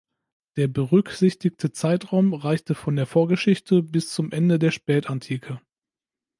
Der berücksichtigte Zeitraum reichte von der Vorgeschichte bis zum Ende der Spätantike.